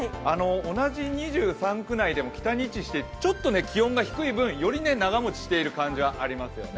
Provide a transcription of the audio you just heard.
同じ２３区内でも北に位置していてちょっと気温が低い分、より長もちしている感じはありますよね。